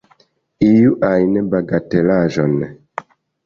Iu ajn bagatelaĵon.